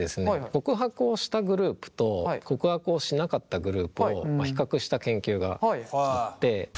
告白をしたグループと告白をしなかったグループを比較した研究があって。